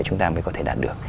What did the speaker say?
chúng ta mới có thể đạt được